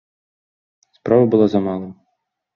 Справа была за малым.